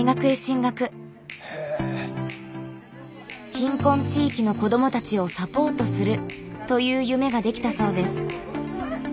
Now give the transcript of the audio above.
貧困地域の子どもたちをサポートするという夢ができたそうです。